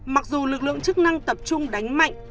mặc dù lực lượng chức năng tập trung đánh mạnh